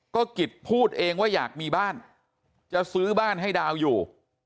ก็กิจพูดเองว่าอยากมีบ้านจะซื้อบ้านให้ดาวอยู่